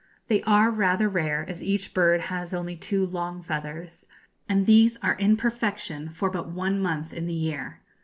They are rather rare, as each bird has only two long feathers, and these are in perfection for but one month in the year.